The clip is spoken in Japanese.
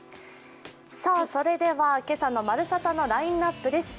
それでは今朝の「まるサタ」のラインナップです。